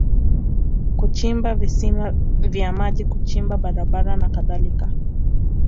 kuchimba visima vya maji kuchimba barabara na kadhalika